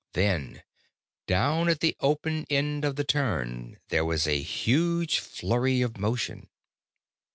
Then, down at the open end of the turn, there was a huge flurry of motion.